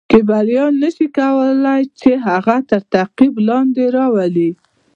کیبلیان نه شي کولای چې هغه تر تعقیب لاندې راولي.